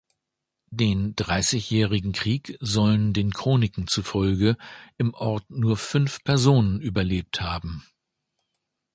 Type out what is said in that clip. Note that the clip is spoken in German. Den Dreißigjährigen Krieg sollen den Chroniken zufolge im Ort nur fünf Personen überlebt haben.